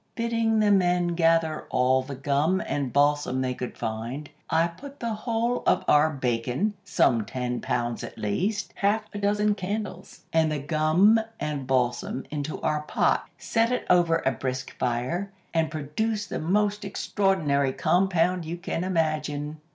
"Bidding the men gather all the gum and balsam they could find, I put the whole of our bacon, some ten pounds at least, half a dozen candles, and the gum and balsam into our pot, set it over a brisk fire, and produced the most extraordinary compound you can imagine.